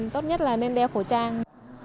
tốt nhất là nên đeo khẩu trang